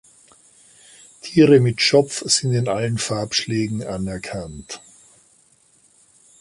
Tiere mit Schopf sind in allen Farbschlägen anerkannt.